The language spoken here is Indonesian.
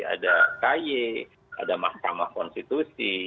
ada kaye ada mahkamah konstitusi